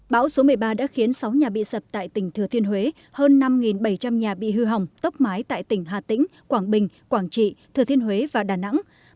bão số một mươi ba đã khiến sáu nhà bị sập tại tỉnh thừa thiên huế hơn năm bảy trăm linh nhà bị hư hỏng tốc mái tại tỉnh hà tĩnh quảng bình quảng trị thừa thiên huế và đà nẵng